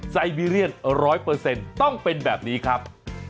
ไซเบีเรียนร้อยเปอร์เซ็นต์ต้องเป็นแบบนี้ครับ